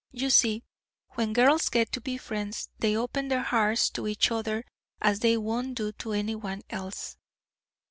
You see, when girls get to be friends, they open their hearts to each other as they won't do to any one else."